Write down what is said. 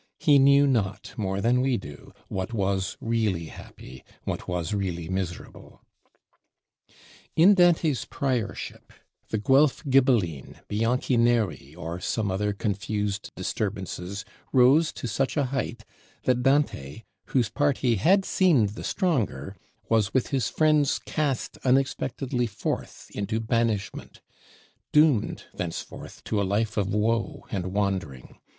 He knew not, more than we do, what was really happy, what was really miserable. In Dante's Priorship, the Guelf Ghibelline, Bianchi Neri, or some other confused disturbances rose to such a height, that Dante, whose party had seemed the stronger, was with his friends cast unexpectedly forth into banishment; doomed thenceforth to a life of woe and wandering.